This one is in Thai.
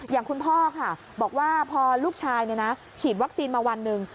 อย่างคุณพ่อค่ะบอกว่าพอลูกชายฉีดวัคซีนมาวันหนึ่ง